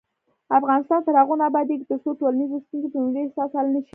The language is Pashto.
افغانستان تر هغو نه ابادیږي، ترڅو ټولنیزې ستونزې په ملي احساس حل نشي.